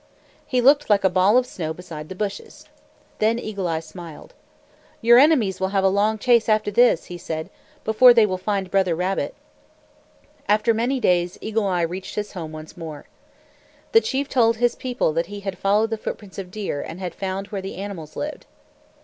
He looked like a ball of snow beside the bushes. Then Eagle Eye smiled. "Your enemies will have a long chase after this," he said, "before they will find Brother Rabbit!" After many days, Eagle Eye reached his home once more. The chief told his people that he had followed the footprints of deer, and had found where the animals lived.